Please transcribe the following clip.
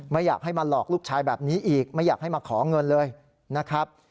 ไม่อยากให้มาหลอกลูกชายแบบนี้อีกไม่อยากให้มาขอเงินเลยนะครับ